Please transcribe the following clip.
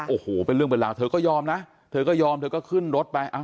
โอ้โหเป็นเรื่องเป็นราวเธอก็ยอมนะเธอก็ยอมเธอก็ขึ้นรถไป